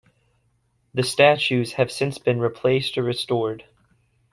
The statues have since been replaced or restored.